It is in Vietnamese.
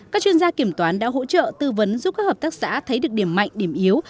các chuyên gia kiểm toán đã hỗ trợ tư vấn giúp các hợp tác xã thấy được điểm mạnh điểm yếu